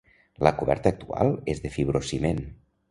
La coberta actual és de fibrociment.